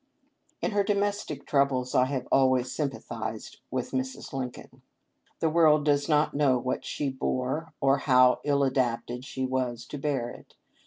In her domestic troubles I have always sympa thized with Mrs. Lincoln. The world does not 434 THE LIFE OF LINCOLN. know what she bore, or how ill adapted she was to bear it.